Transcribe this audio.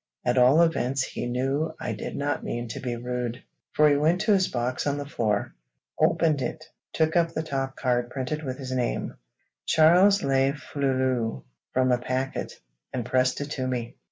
At all events he knew I did not mean to be rude, for he went to his box on the floor, opened it, took up the top card printed with his name, Charles le Félu, from a packet, and presented it to me.